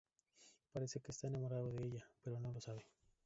Parece que se está enamorando de ella, pero no lo sabe.